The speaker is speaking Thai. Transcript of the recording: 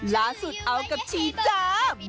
ละสุดเอากับชีเจนทุกทายาวเยอะ